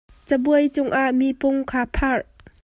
Cabuai cungah mipung kha pharh.